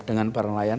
dengan para nelayan